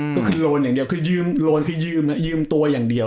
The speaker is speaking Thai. ก็คือโลนอย่างเดียวคือยืมตัวอย่างเดียว